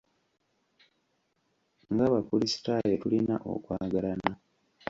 Ng'Abakrisitaayo, tulina okwagalana.